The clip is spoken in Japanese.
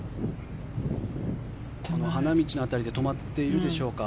花道の辺りで止まっているでしょうか。